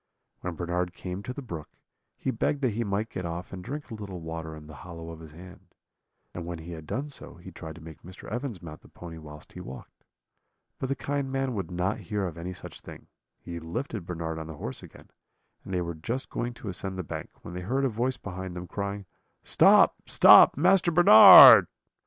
When Bernard came to the brook, he begged that he might get off and drink a little water in the hollow of his hand; and when he had done so, he tried to make Mr. Evans mount the pony whilst he walked. But the kind man would not hear of any such thing; he lifted Bernard on the horse again, and they were just going to ascend the bank, when they heard a voice behind them, crying: 'Stop, stop, Master Bernard.'